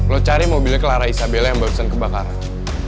lo cari mobilnya clara isabella yang baru kesan kebakaran